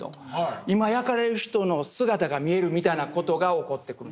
今焼かれる人の姿が見えるみたいな事が起こってくるんですよ。